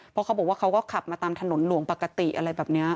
เพราะเขาบอกว่าเขาก็ขับมาตามถนนหลวงปกติอะไรแบบนี้